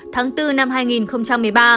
tháng bốn năm hai nghìn một mươi ba